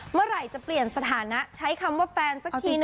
เมื่อไหร่จะเปลี่ยนสถานะใช้คำว่าแฟนสักทีน